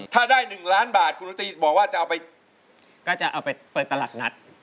ถ้าได้๑ล้านบาทคุณอุตรีบอกว่าจะเอาไปก็จะเอาไปเปิดตลาดนัด